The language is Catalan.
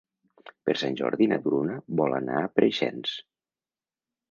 Per Sant Jordi na Bruna vol anar a Preixens.